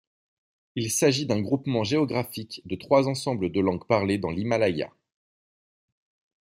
Il s'agit d'un groupement géographique de trois ensembles de langues parlées dans l'Himalaya.